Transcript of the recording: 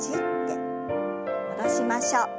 戻しましょう。